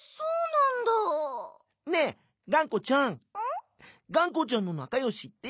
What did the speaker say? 「がんこちゃんのなかよしってだあれ？」。